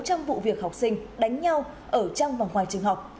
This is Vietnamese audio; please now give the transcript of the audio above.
gần một sáu trăm linh vụ việc học sinh đánh nhau ở trong và ngoài trường học